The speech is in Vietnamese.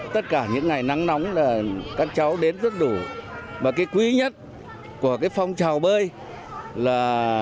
tất cả những ngày nắng nóng là các cháu đến rất đủ và cái quý nhất của cái phong trào bơi là